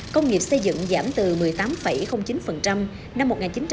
công nghiệp xây dựng giảm từ một mươi tám chín năm một nghìn chín trăm chín mươi tám